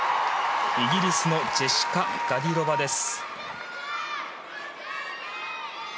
イギリスのジェシカ・ガディロバです。